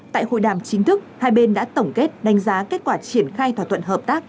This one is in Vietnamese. tại hội đàm chính thức hai bên đã tổng kết đánh giá kết quả triển khai thỏa thuận hợp tác